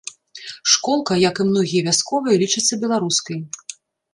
Школка, як і многія вясковыя, лічыцца беларускай.